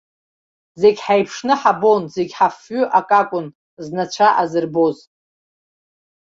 Зегь ҳеиԥшны ҳабон, зегь ҳафҩы акакәын, знацәа азырбоз.